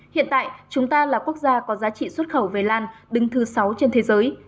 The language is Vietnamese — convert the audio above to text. hiện tại chúng ta là quốc gia có giá trị xuất khẩu về lan đứng thứ sáu trên thế giới